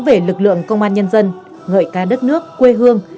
về lực lượng công an nhân dân ngợi ca đất nước quê hương